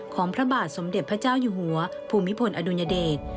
พระบาทสมเด็จพระเจ้าอยู่หัวภูมิพลอดุญเดช